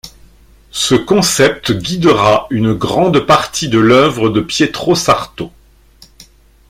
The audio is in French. Ce concept guidera une grande partie de l'œuvre de Pietro Sarto.